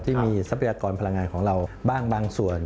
ทรัพยากรพลังงานของเราบ้างบางส่วน